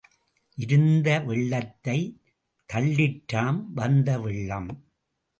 இருந்த வெள்ளத்தைத் தள்ளிற்றாம் வந்த வெள்ளம்.